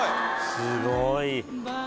すごい。